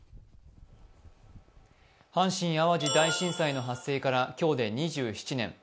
阪神・淡路大震災の発生から今日で２７年。